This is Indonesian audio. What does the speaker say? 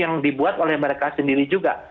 yang dibuat oleh mereka sendiri juga